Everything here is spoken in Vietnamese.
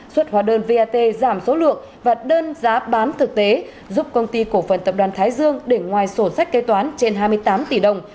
xuất hóa đơn vat giảm số lượng và đơn giá bán thực tế giúp công ty cổ phần tập đoàn thái dương để ngoài sổ sách kế toán trên hai mươi tám tỷ đồng